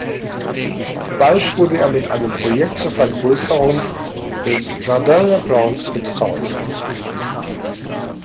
Bald wurde er mit einem Projekt zur Vergrößerung des „Jardin des Plantes“ betraut.